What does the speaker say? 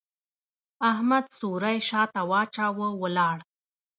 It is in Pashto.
احمد څوری شا ته واچاوو؛ ولاړ.